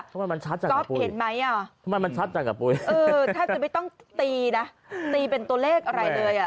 ทำไมมันชัดจังกับปุ๋ยถ้าไม่ต้องตีนะตีเป็นตัวเลขอะไรเลย